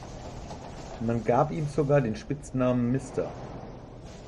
Man gab ihm sogar den Spitznamen “Mr.